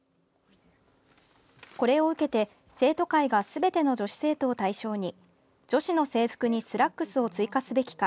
これを受けて、生徒会がすべての女子生徒を対象に「女子の制服にスラックスを追加すべきか」